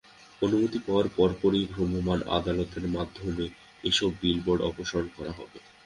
অনুমতি পাওয়ার পরপরই ভ্রাম্যমাণ আদালতের মাধ্যমে এসব বিলবোর্ড অপসারণ করা হবে।